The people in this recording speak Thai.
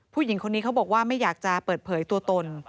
ผู้หญิงคนนี้เขาบอกว่าไม่อยากจะเปิดเผยตัวตน